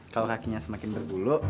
kakinya semakin berbulu